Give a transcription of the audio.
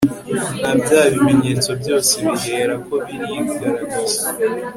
na bya bimenyetso byose bihera ko birigaragaza